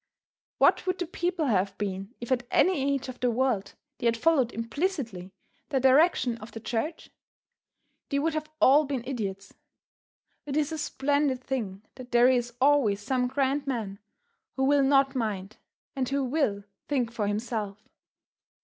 What would the people have been, if at any age of the world they had followed implicitly the direction of the church? They would have all been idiots. It is a splendid thing that there is always some grand man who will not mind, and who will think for himself.